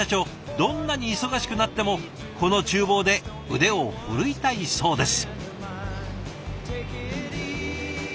どんなに忙しくなってもこのちゅう房で腕を振るいたいそうです。